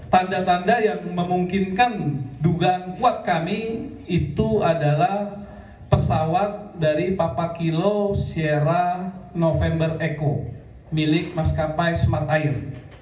tanda tanda yang memungkinkan dugaan kuat kami itu adalah pesawat dari papa kilo shera november eko milik maskapai smart air